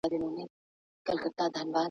د وروستي مني مي یو څو پاڼي پر کور پاته دي!